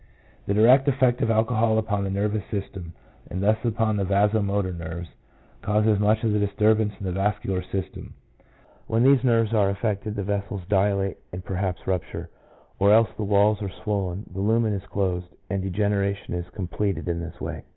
The direct effect of alcohol upon the nervous system, and thus upon the vaso motor nerves, causes much of the disturbance in the vascular system. When these nerves are affected the vessels dilate and perhaps rupture, or else the walls are swollen, the lumen is closed, and degeneration is completed in this way.